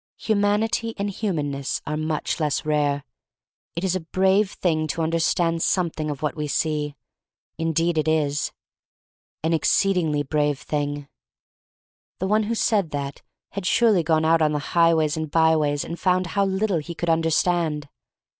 Humanity and humaneness are much less rare. "It is a brave thing to understand something of what we see.'' Indeed it is. An exceeding brave thing. The 284 THE STORY OF MARY MAC LANE one who said that had surely gone out on the highways and byways and found how little he could understand.